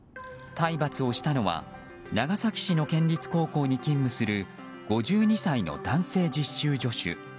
体罰をしたのは長崎市の県立高校に勤務する５２歳の男性実習助手。